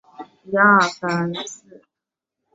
李翱为唐代贞元十四年进士。